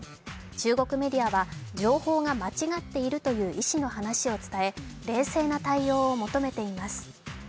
中国メディアは情報が間違っているという医師の話を伝え冷静な対応を求めています。